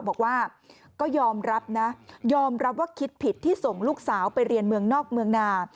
บอกว่าก็ยอมรับนะยอมรับว่าคิดผิดที่ส่งลูกสาวไปเรียนเมืองนอกเมืองนา